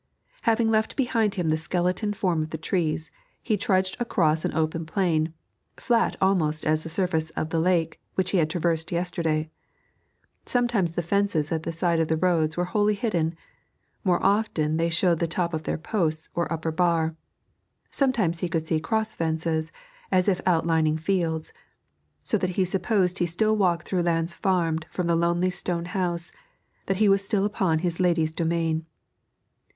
Having left behind him the skeleton forms of the trees, he was trudging across an open plain, flat almost as the surface of the lake which he had traversed yesterday. Sometimes the fences at the side of the road were wholly hidden, more often they showed the top of their posts or upper bar; sometimes he could see cross fences, as if outlining fields, so that he supposed he still walked through lands farmed from the lonely stone house, that he was still upon his lady's domain.